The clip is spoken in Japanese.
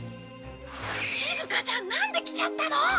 しずかちゃんなんで来ちゃったの？